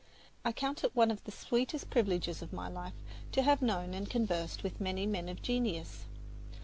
I count it one of the sweetest privileges of my life to have known and conversed with many men of genius.